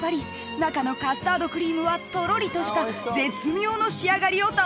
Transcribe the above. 中のカスタードクリームはとろりとした絶妙の仕上がりを保っています］